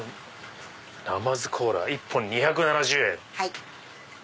「なまずコーラ１本２７０円」。